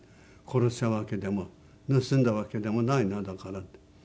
「殺したわけでも盗んだわけでもないのだから」。